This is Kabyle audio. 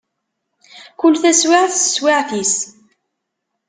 Kul taswiɛt s teswiɛt-is.